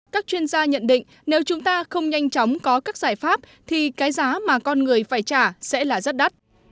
các chuyên gia nhận định nếu chúng ta không nhanh chóng có các giải pháp thì cái giá mà con người phải trả sẽ là rất đắt